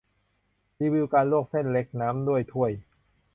รีวิวการลวกเส้นเล็กน้ำด้วยถ้วย